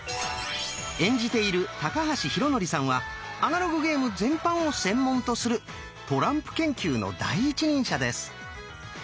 演じている高橋浩徳さんはアナログゲーム全般を専門とするトランプ研究の第一人者です。